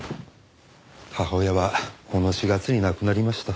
母親はこの４月に亡くなりました。